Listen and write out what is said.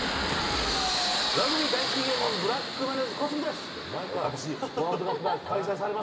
ラグビー大好き芸人、ブラックマヨネーズ・小杉です。